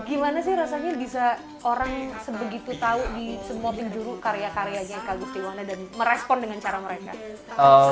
gimana sih rasanya bisa orang sebegitu tahu di semua penjuru karya karyanya eka gustiwana dan merespon dengan cara mereka